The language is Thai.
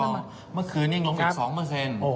เมื่อคืนยังลงอีก๒